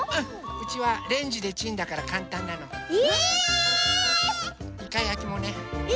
うちはレンジでチンだからかんたんなの。え！